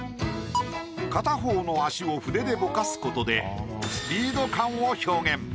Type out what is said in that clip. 片方の足を筆でぼかすことでスピード感を表現。